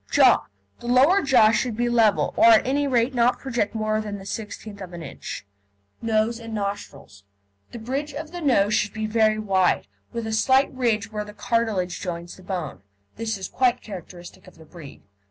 JAW The lower jaw should be about level, or at any rate not project more than the sixteenth of an inch. NOSE AND NOSTRILS The bridge of the nose should be very wide, with a slight ridge where the cartilage joins the bone. (This is quite a characteristic of the breed.)